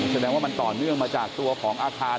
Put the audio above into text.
แสดงว่ามันต่อเนื่องมาจากตัวของอาคาร